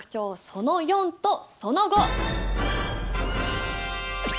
その４とその５！